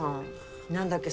何だっけ